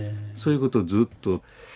そういうことをずっと。